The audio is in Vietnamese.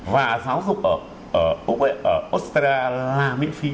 và giáo dục ở australia là miễn phí